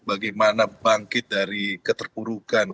bagaimana bangkit dari keterpurukan